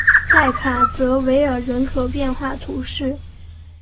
代卡泽维尔人口变化图示